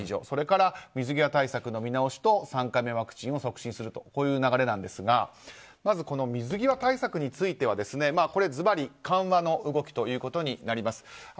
それから水際対策の見直しと３回目ワクチンを促進するという流れですが水際対策については、ずばり緩和の動きということになります。